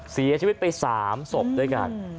เสียชีวิตไป๓ศพด้วยกัน